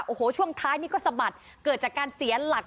โอ้โหช่วงท้ายนี่ก็สะบัดเกิดจากการเสียหลัก